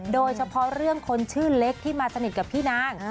โดยเฉพาะเรื่องคนชื่อเล็กที่มาสนิทกับพี่นาง